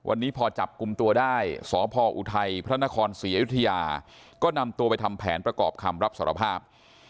วันนี้พอจับกลุ่มตัวได้สพออุทัยพระนครศรีอยุธยาก็นำตัวไปทำแผนประกอบคำรับสารภาพ